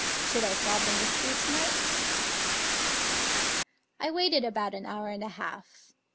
Should I solve the mystery to night? I waited about an hour and a half.